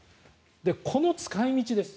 この使い道です。